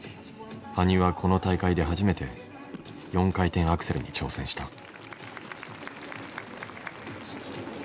羽生はこの大会で初めて４回転アクセルに挑戦した。